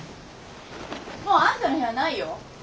もうあんたの部屋ないよ。